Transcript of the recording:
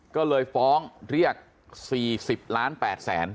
ก็เลยฟ้องเรียก๔๐ล้าน๘แสน